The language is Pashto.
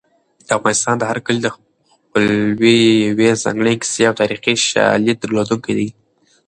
د افغانستان هر کلی د خپلې یوې ځانګړې کیسې او تاریخي شاليد درلودونکی دی.